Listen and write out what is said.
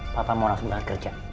papa mau langsung kerja